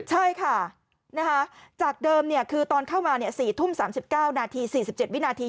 ใช่ค่ะจากเดิมคือตอนเข้ามา๔ทุ่ม๓๙นาที๔๗วินาที